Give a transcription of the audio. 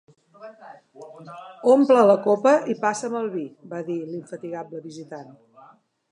'Omple la copa i passa'm el vi', va dir l'infatigable visitant.